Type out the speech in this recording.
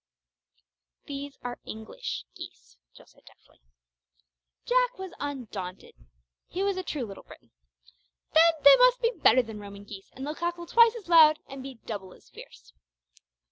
"These are English geese!" Jill said doubtfully. Jack was undaunted. He was a true little Briton. "Then they must be better than Roman geese, and they'll cackle twice as loud, and be double as fierce!"